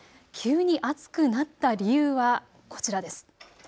急に暑くなった理由はこちらです。